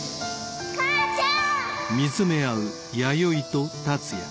母ちゃん！